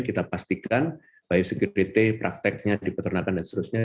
kita pastikan biosecurity prakteknya di peternakan dan seterusnya